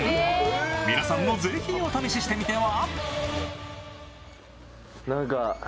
皆さんもぜひお試ししてみては？